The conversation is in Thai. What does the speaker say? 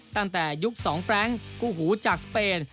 ตั้งแต่ยุคสองแปลงกู้หูจากสเปน